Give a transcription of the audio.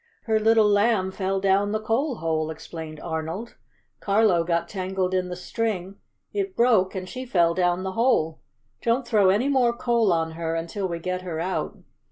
"Her little Lamb fell down the coal hole," explained Arnold. "Carlo got tangled in the string, it broke and she fell down the hole. Don't throw any more coal on her until we get her out."